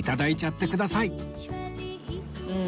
うん！